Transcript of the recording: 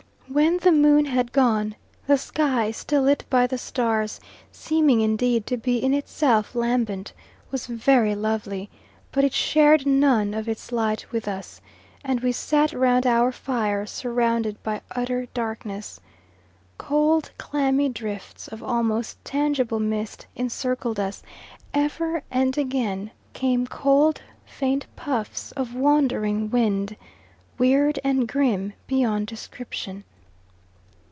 When the moon had gone, the sky, still lit by the stars, seeming indeed to be in itself lambent, was very lovely, but it shared none of its light with us, and we sat round our fire surrounded by an utter darkness. Cold, clammy drifts of almost tangible mist encircled us; ever and again came cold faint puffs of wandering wind, weird and grim beyond description.